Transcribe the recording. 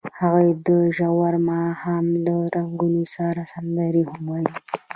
هغوی د ژور ماښام له رنګونو سره سندرې هم ویلې.